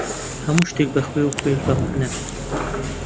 هەموو شتێک بە خوێ، و خوێش بە مەعنا.